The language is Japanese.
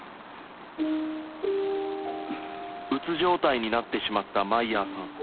うつ状態になってしまった舞亜さん。